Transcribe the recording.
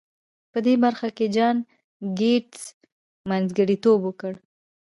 په دې برخه کې جان ګيټس منځګړيتوب وکړ.